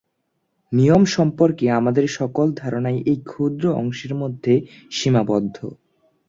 নিয়ম সম্পর্কে আমাদের সকল ধারণাই এই ক্ষুদ্র অংশের মধ্যে সীমাবদ্ধ।